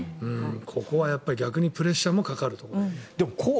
ここはやっぱりプレッシャーもかかると。